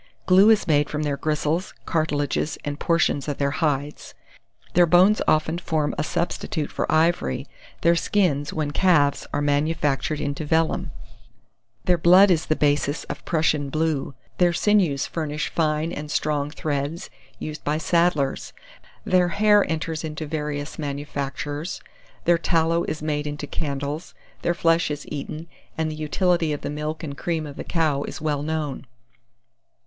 Glue is made from their gristles, cartilages, and portions of their hides. Their bones often form a substitute for ivory; their skins, when calves, are manufactured into vellum; their blood is the basis of Prussian blue; their sinews furnish fine and strong threads, used by saddlers; their hair enters into various manufactures; their tallow is made into candles; their flesh is eaten, and the utility of the milk and cream of the cow is well known.